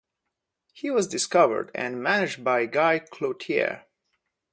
He was discovered and managed by Guy Cloutier.